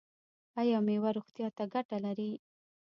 ایا میوه روغتیا ته ګټه لري؟